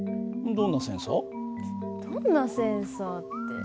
どんなセンサーって。